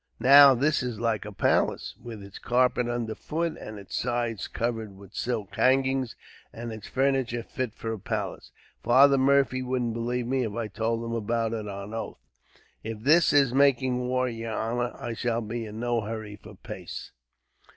Now this is like a palace, with its carpet under foot, and its sides covered with silk hangings, and its furniture fit for a palace. Father Murphy wouldn't believe me, if I told him about it on oath. If this is making war, yer honor, I shall be in no hurry for pace."